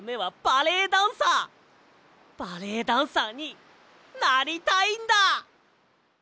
バレエダンサーになりたいんだ！